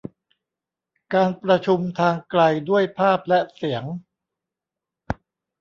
การประชุมทางไกลด้วยภาพและเสียง